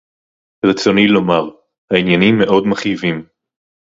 רְצוֹנִי לוֹמַר: הָעִנְיָנִים מְאֹד מַכְאִיבִים